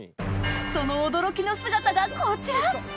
その驚きの姿がこちら